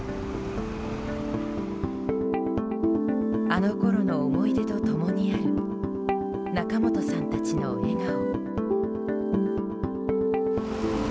あのころの思い出と共にある仲本さんたちの笑顔。